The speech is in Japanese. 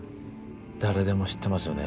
誰でも知ってますよね